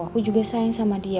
aku juga sayang sama dia